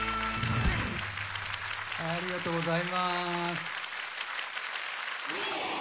ありがとうございます。